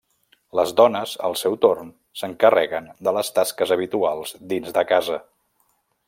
Les dones, al seu torn, s'encarreguen de les tasques habituals dins de casa.